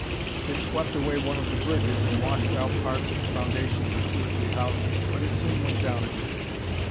It swept away one of the bridges and washed out parts of the foundations of two or three houses. But it soon went down again."